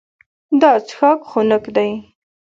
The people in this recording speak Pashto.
دا څښاک خنک دی.